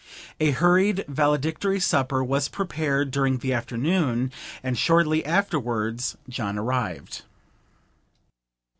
A hurried valedictory supper was prepared during the afternoon, and shortly afterwards John arrived.